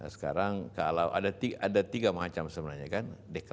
sekarang kalau ada tiga macam sebenarnya kan